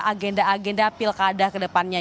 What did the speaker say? agenda agenda pilkada kedepannya